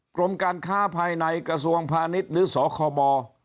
กรมการค้าภายในกระทรวงพาณิชย์หรือสคบ